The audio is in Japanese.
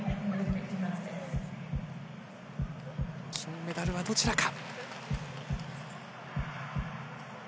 金メダルはどちらか。